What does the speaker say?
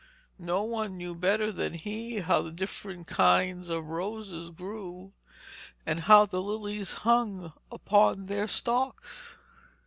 No one knew better than he how the different kinds of roses grew, and how the lilies hung upon their stalks.